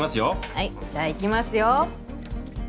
はいじゃあいきますよ